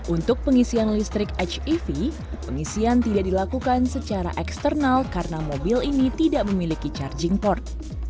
untuk pengisian listrik hev pengisian tidak dilakukan secara eksternal karena mobil ini tidak memiliki charging port